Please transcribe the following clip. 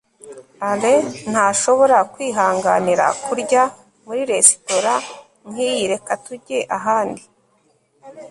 alain ntashobora kwihanganira kurya muri resitora nkiyi reka tujye ahandi